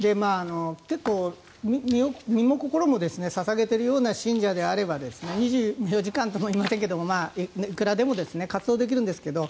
結構、身も心も捧げているような信者であれば２４時間とも言いませんがいくらでも活動できるんですけど